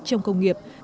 trong công nghiệp